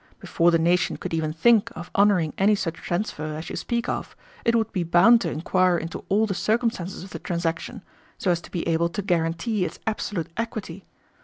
Before the nation could even think of honoring any such transfer as you speak of, it would be bound to inquire into all the circumstances of the transaction, so as to be able to guarantee its absolute equity.